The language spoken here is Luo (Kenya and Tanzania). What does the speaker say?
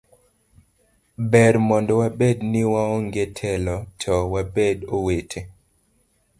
Ber mondo wabed ni waonge telo to wabed owete.